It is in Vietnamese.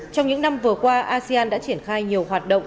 trong những năm vừa qua asean đã triển khai nhiều hoạt động